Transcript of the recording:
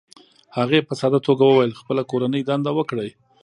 هغې په ساده توګه وویل: "خپله کورنۍ دنده وکړئ،